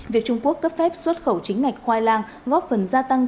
việc trung quốc cấp phép xuất khẩu chính ngạch khoai lang góp phần gia tăng